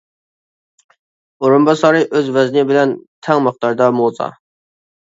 ئورۇنباسارى ئۆز ۋەزنى بىلەن تەڭ مىقداردا موزا.